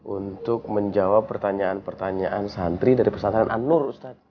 untuk menjawab pertanyaan pertanyaan santri dari pesantren an nur ustaz